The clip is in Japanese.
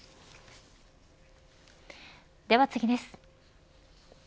では次です。